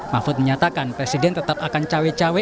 mahfud menyatakan presiden tetap akan cawe cawe